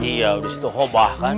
iya udah setuhu bahkan